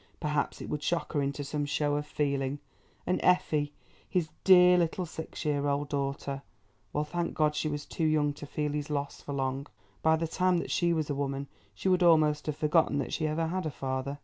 Perhaps it would shock her into some show of feeling. And Effie, his dear little six year old daughter? Well, thank God, she was too young to feel his loss for long. By the time that she was a woman she would almost have forgotten that she ever had a father.